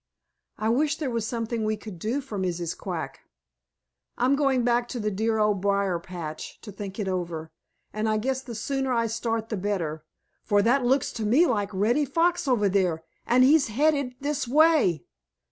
I wish there was something we could do for Mrs. Quack. I'm going back to the dear Old Briar patch to think it over, and I guess the sooner I start the better, for that looks to me like Reddy Fox over there, and he's headed this way."